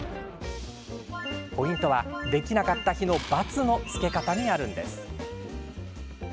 ポイントは、できなかった日の×のつけ方にあるんです。